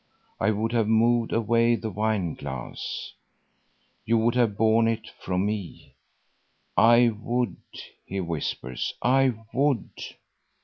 I would have moved away the wineglass. You would have borne it from me." "I would," he whispers, "I would."